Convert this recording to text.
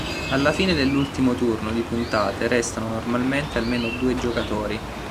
Alla fine dell'ultimo turno di puntate restano normalmente almeno due giocatori.